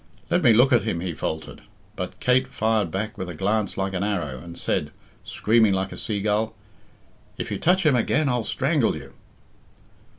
"Let me look at him," he faltered, but Kate fired back with a glance like an arrow, and said, screaming like a sea gull, "If you touch him again I'll strangle you."